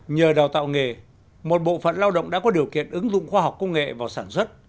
nhờ đào tạo nghề một bộ phận lao động đã có điều kiện ứng dụng khoa học công nghệ vào sản xuất